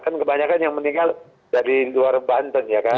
kan kebanyakan yang meninggal dari luar banten ya kan